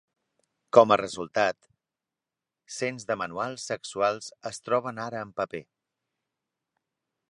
Com a resultat, cents de manuals sexuals es troben ara en paper.